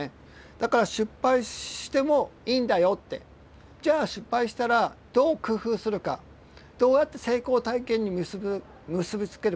だから「失敗してもいいんだよ」って。じゃあ失敗したらどう工夫するかどうやって成功体験に結び付けるか。